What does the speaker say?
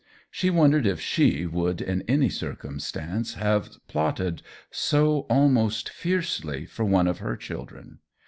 She wondered if she would in any circumstances have plotted so almost fiercely for one of her children.